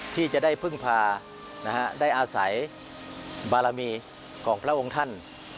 ที่จะได้พึ่งพาได้อาศัยบารมีของพระองค์ท่าน